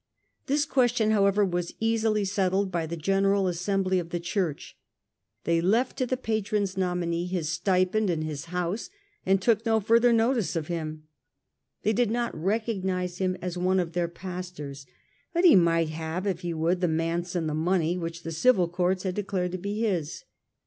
This question, however, was easily settled by the General Assembly of the Church. They left to the patron's nominee his stipend and his house, and took no further notice of him. They did not recognise him as one of their pastors, but he might have, if he would, the manse and the money which the civil courts had declared to be his.